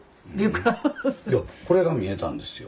いやこれが見えたんですよ。